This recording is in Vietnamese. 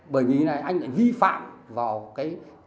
bởi vì này anh lại vi phạm vào cái